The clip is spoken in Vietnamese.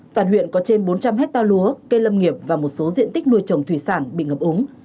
toàn huyện có trên bốn trăm linh hectare lúa cây lâm nghiệp và một số diện tích nuôi trồng thủy sản bị ngập úng